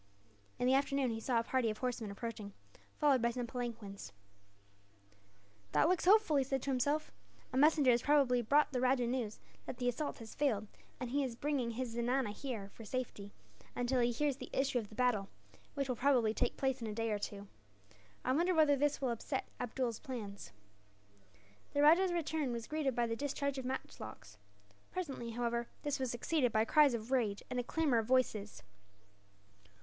In the afternoon he saw a party of horsemen approaching, followed by some palanquins. "That looks hopeful," he said to himself. "A messenger has probably brought the rajah news that the assault has failed, and he is bringing his zenana here for safety, until he hears the issue of the battle, which will probably take place in a day or two. I wonder whether this will upset Abdool's plans!" The rajah's return was greeted by the discharge of matchlocks. Presently, however, this was succeeded by cries of rage and a clamour of voices.